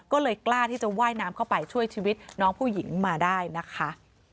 ก็เลยกล้าที่จะว่ายน้ำเข้าไปช่วยชีวิตน้องผู้หญิงมาได้นะคะ